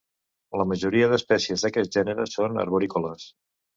La majoria d'espècies d'aquest gènere són arborícoles.